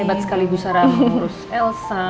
hebat sekali bu sara mengurus elsa